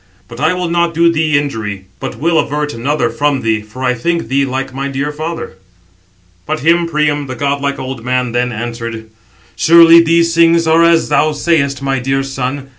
But I will not do thee injury, but will avert another from thee, for I think thee like my dear father." But him Priam, the godlike old man, then answered: "Surely these things are as thou sayest, my dear son.